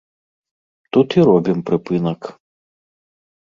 Тут і робім прыпынак.